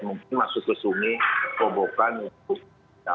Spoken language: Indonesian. mungkin masuk ke sungi kobokan itu